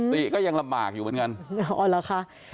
ติก็ยังลำบากอยู่เหมือนกัน